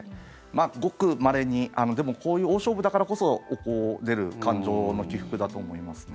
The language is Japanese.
ごくまれにでもこういう大勝負だからこそ出る感情の起伏だと思いますね。